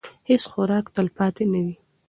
هیڅ خوراک تلپاتې نه وي.